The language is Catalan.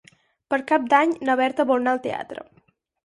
Per Cap d'Any na Berta vol anar al teatre.